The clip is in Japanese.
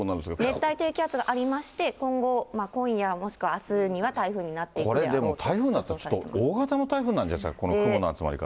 熱帯低気圧がありまして、今後、もしくはあすには台風になっこれ、でも台風なんですが、大型の台風になるんじゃないですか、この雲の集まり方。